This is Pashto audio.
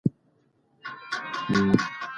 که هڅه وکړې نو هره لاره پرانیستل کېږي.